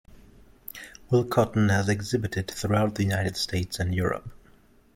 Will Cotton has exhibited throughout the United States and Europe.